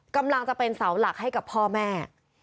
กำลังจะเป็นเสาหลักให้กับพ่อแม่